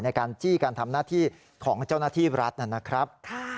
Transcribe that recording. ในการจี้การทำหน้าที่ของเจ้าหน้าที่รัฐนะครับ